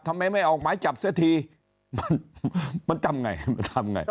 ทำไมไม่ออกหมายจับเสียทีมันทำไงมันทำไง